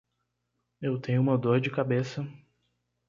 Eu tenho uma dor de cabeça.